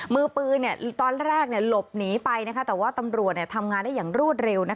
มือปืนตอนแรกหลบหนีไปแต่ว่าตำรวจทำงานได้อย่างรวดเร็ว